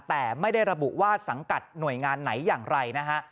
แต่ไม่ได้ระบุว่าสังกัดหน่วยงานไหนอย่างไรนะฮะ